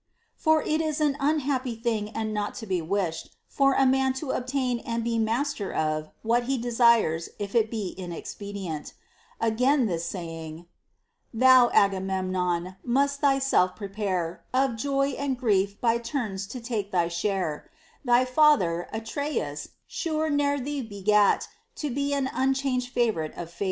For it is an unhappy thing and not to be wished, for a man to obtain and be master of what he desires if it be inexpedient. Again this saying, Thou, Agamemnon, must thyself prepare Of joy and grief by turns to take thy share : Thy father, Atreus, sure, ne'er thee begat, To be an unchanged favorite of Fate : J * From the Aeolus of Euripides, Frag.